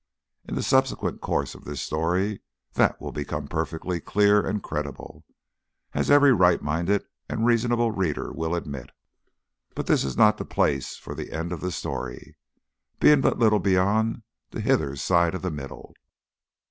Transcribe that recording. In the subsequent course of this story that will become perfectly clear and credible, as every right minded and reasonable reader will admit. But this is not the place for the end of the story, being but little beyond the hither side of the middle.